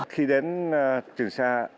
khi đến trường xa